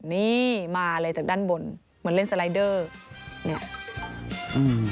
นี่มาเลยจากด้านบนเหมือนเล่นสไลเดอร์เนี่ยอืม